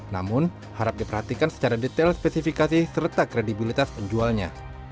namun harap diperhatikan secara detail spesifikasi serta kredibilitas penjualnya